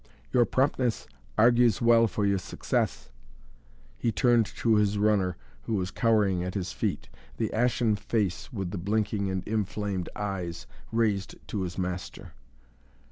"Your promptness argues well for your success," he turned to his runner who was cowering at his feet, the ashen face with the blinking and inflamed eyes raised to his master.